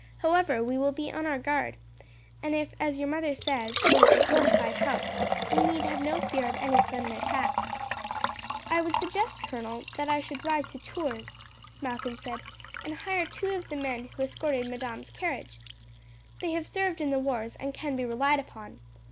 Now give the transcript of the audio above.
However, we will be on our guard, and if, as your mother says, it is a fortified house, we need have no fear of any sudden attack." "I would suggest, colonel, that I should ride to Tours," Malcolm said, "and hire two of the men who escorted madame's carriage. They have served in the wars and can be relied upon.